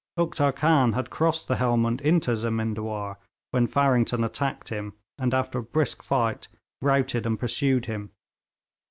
Uktar Khan had crossed the Helmund into Zemindawar, when Farrington attacked him, and, after a brisk fight, routed and pursued him.